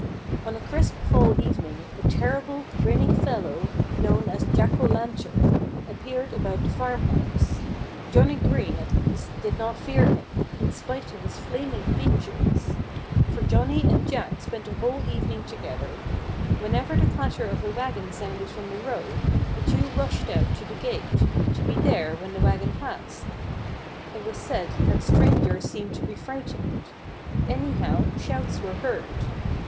On a crisp fall evening a terrible, grinning fellow known as Jack O'Lantern appeared about the farmhouse. Johnnie Green, at least, did not fear him, in spite of his flaming features. For Johnnie and Jack spent the whole evening together. Whenever the clatter of a wagon sounded from the road, the two rushed out to the gate, to be there when the wagon passed. It was said that strangers seemed to be frightened. Anyhow, shouts were heard.